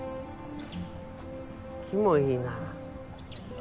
木もいいな。